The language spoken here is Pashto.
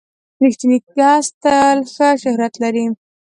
• رښتینی کس تل ښه شهرت لري.